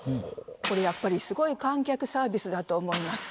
これやっぱりすごい観客サービスだと思います。